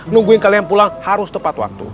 nungguin kalian pulang harus tepat waktu